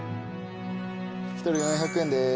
１人７００円です。